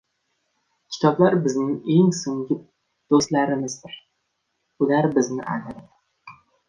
Kitoblar bizning eng so‘nggi do‘stlarimizdir, ular bizni aldamaydi